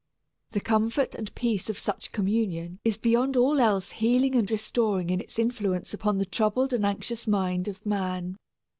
The comfort and peace of such communion is beyond all else healing and restoring in its influence upon the troubled and anxious mind of man.